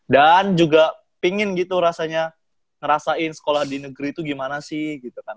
dan juga pingin gitu rasanya ngerasain sekolah di negeri itu gimana sih gitu kan